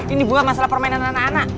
ini bukan masalah permainan anak anak